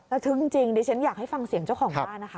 ทึกจริงดิฉันอยากให้ฟังเสียงเจ้าของบ้านนะคะ